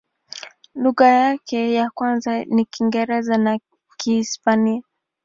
Lugha yake ya kwanza ni Kiingereza na Kihispania.